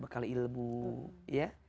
bekal ilmu ya